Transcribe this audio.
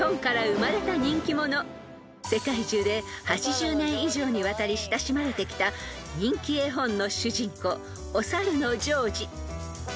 ［世界中で８０年以上にわたり親しまれてきた人気絵本の主人公］